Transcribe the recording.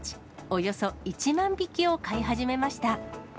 およそ１万匹を飼い始めました。